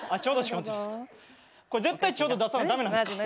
これ絶対ちょうど出さな駄目なんすか？